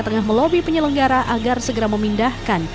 tengah melobi penyelenggara agar segera memindahkan